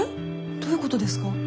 どういうことですか？